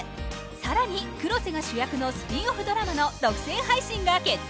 さらに黒瀬が主役のスピンオフドラマの独占配信が決定！